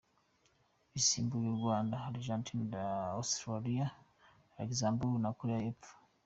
Bisimbuye u Rwanda, Argentina, Australia, Luxembourg na Koreya y’Epfo.